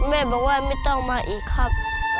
แม่บอกว่าไม่ต้องมาอีกครับ